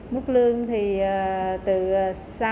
mút lương thì từ sáu đến một mươi lần